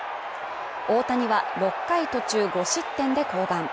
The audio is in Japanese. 大谷は６回途中５失点で降板。